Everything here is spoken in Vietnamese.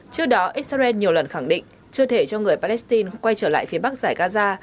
trước đó israel nhiều lần khẳng định chưa thể cho người palestine quay trở lại phía bắc giải gaza